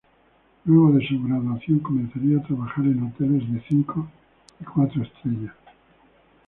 Luego de su graduación, comenzaría a trabajar en hoteles de cinco y cuatro estrellas.